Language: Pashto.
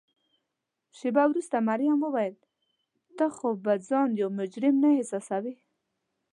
شیبه وروسته مريم وویل: ته خو به ځان یو مجرم نه احساسوې؟